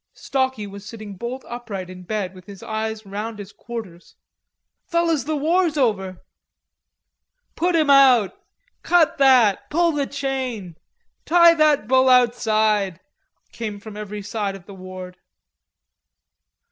Stalky was sitting bolt upright in bed, with his eyes round as quarters. "Fellers, the war's over!" "Put him out." "Cut that." "Pull the chain." "Tie that bull outside," came from every side of the ward.